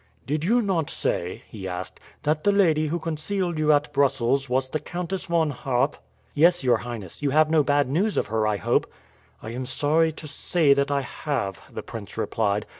"Did you not say," he asked, "that the lady who concealed you at Brussels was the Countess Von Harp?" "Yes, your highness. You have no bad news of her, I hope?" "I am sorry to say that I have," the prince replied.